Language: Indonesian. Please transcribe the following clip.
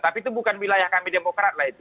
tapi itu bukan wilayah kami demokrat lah itu